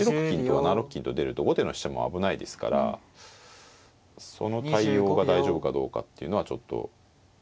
金とか７六金と出ると後手の飛車も危ないですからその対応が大丈夫かどうかっていうのはちょっと。